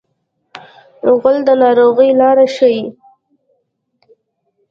غول د ناروغۍ لاره ښيي.